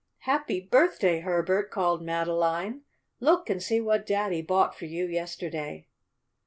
"Happy birthday, Herbert!" called Madeline. "Look and see what Daddy bought for you yesterday!"